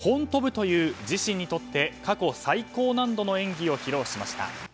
４回転ジャンプを５本跳ぶという自身にとって過去最高難度の演技を披露しました。